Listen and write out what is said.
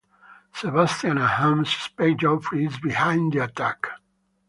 Sebastian and Ham suspect Geoffrey is behind the attack.